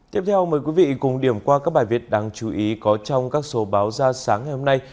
tiếp theo mời quý vị cùng điểm qua các bài viết đáng chú ý có trong các số báo ra sáng ngày hôm nay